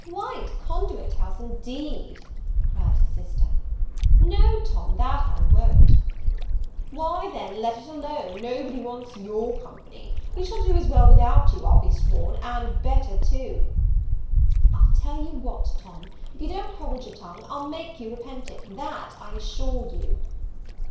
"White Conduit House, indeed!" cried his sister; "no, Tom, that I won't." "Why, then, let it alone; nobody wants your company; we shall do as well without you, I'll be sworn, and better too." "I'll tell you what, Tom, if you don't hold your tongue, I'll make you repent it, that I assure you."